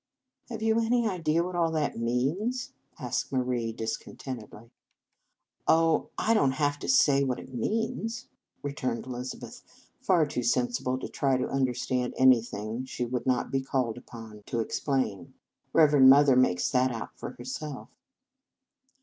" Have you any idea what all that means ?" asked Marie discontent edly. " Oh, I don t have to say what it means," returned Elizabeth, far too sensible to try to understand anything she would not be called upon to ex 203 In Our Convent Days plain. " Reverend Mother makes that out for herself."